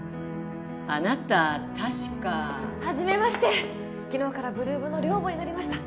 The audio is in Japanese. あなた確かはじめまして昨日から８ＬＯＯＭの寮母になりました